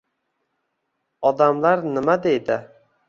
Odamlar nima deydi